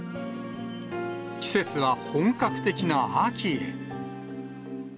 季節は本格的な秋へ。